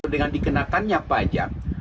dengan dikenakannya pajak